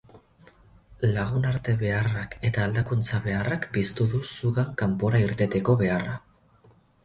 Lagunarte-beharrak eta aldakuntza-beharrak piztu du zugan kanpora irteteko beharra.